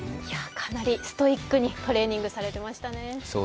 かなりストイックにトレーニングされていましたね。